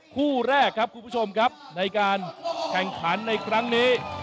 คู่แรกครับคุณผู้ชมครับในการแข่งขันในครั้งนี้